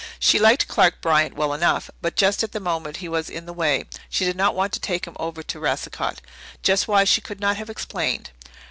She liked Clark Bryant well enough, but just at the moment he was in the way. She did not want to take him over to Racicot just why she could not have explained.